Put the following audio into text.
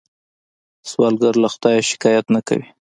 سوالګر له خدایه شکايت نه کوي